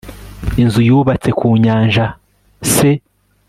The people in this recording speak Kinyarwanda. inzu yubatse kunyanja se